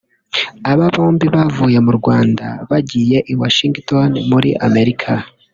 Aba bombi bavuye mu Rwanda bagiye i Washington muri Amerika